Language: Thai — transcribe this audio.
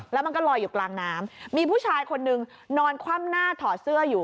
แล้วมันก็ลอยอยู่กลางน้ำมีผู้ชายคนนึงนอนคว่ำหน้าถอดเสื้ออยู่